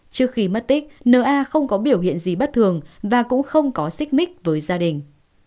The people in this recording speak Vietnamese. trước khi mất tích na không có biểu hiện gì bất thường và cũng không có xích mích với gia đình